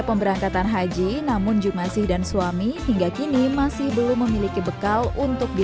dalam perangkatan haji namun jum'asih dan suami hingga kini masih belum memiliki bekal untuk di